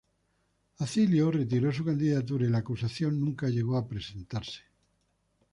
Acilio retiró su candidatura y la acusación nunca llegó a presentarse.